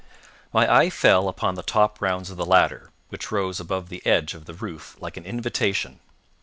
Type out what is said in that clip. My eye fell upon the top rounds of the ladder, which rose above the edge of the roof like an invitation.